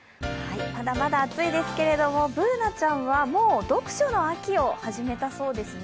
まだまだ暑いですけれども、Ｂｏｏｎａちゃんはもう読書の秋を始めたそうですね。